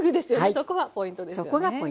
そこがポイントです。